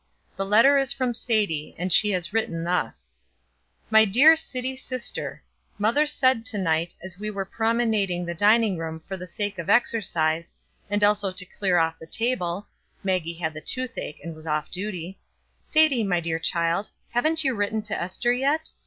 The letter is from Sadie, and she has written thus: "MY DEAR CITY SISTER, Mother said to night, as we were promenading the dining room for the sake of exercise, and also to clear off the table (Maggie had the toothache and was off duty): 'Sadie, my dear child, haven't you written to Ester yet?